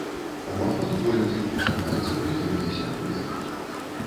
Уваход вольны, чакаюцца прыемныя сюрпрызы.